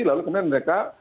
lalu kemudian mereka